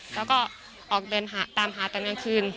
แล้วก็ออกตามหาตอนกลางคืน